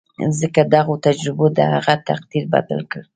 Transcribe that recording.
ځکه دغو تجربو د هغه تقدير بدل کړ.